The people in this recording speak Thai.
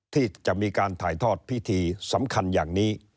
ที่จะมีการถ่ายทอดพิธีสำคัญอย่างนี้